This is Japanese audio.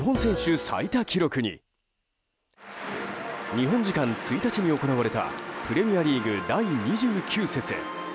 日本時間１日に行われたプレミアリーグ第２９節。